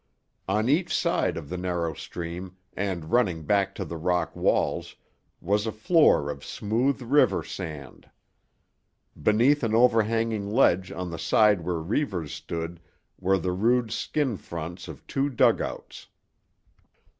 On each side of the narrow stream, and running back to the rock walls, was a floor of smooth river sand. Beneath an overhanging ledge on the side where Reivers stood were the rude skin fronts of two dugouts.